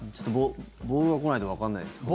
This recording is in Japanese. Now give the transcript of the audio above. ボールが来ないとわかんないですけど。